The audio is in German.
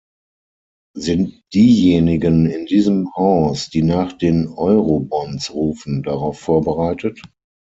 Sind diejenigen in diesem Haus, die nach den Eurobonds rufen, darauf vorbereitet?